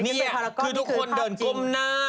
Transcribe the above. นี่คือทุกคนเดินก้มหน้า